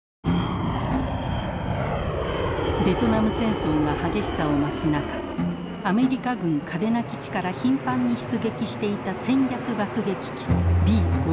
ベトナム戦争が激しさを増す中アメリカ軍嘉手納基地から頻繁に出撃していた戦略爆撃機Ｂ５２。